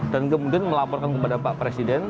dan kemudian melaporkan kepada pak presiden